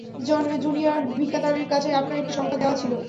Junior ভিকাতানের কাছে আপনার একটি সংবাদ দেওয়ার ছিল।